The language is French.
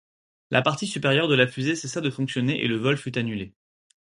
La partie supérieure de la fusée cessa de fonctionner et le vol fut annulé.